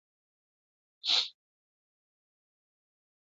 حسد د انسان روح کمزوری کوي.